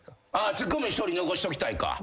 ツッコミ１人残しときたいか。